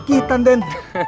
gak kelihatan den